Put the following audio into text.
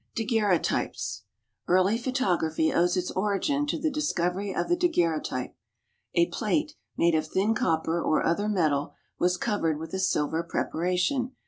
=Daguerreotypes.= Early photography owes its origin to the discovery of the daguerreotype. A plate, made of thin copper or other metal, was covered with a silver preparation.